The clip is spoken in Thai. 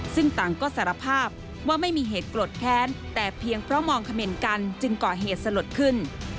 ซึ่งต่างก็สารภาพว่าไม่มีเหตุโกรธแค้นแต่เพียงเพราะมองเขม่นกันจึงก่อเหตุสลดขึ้น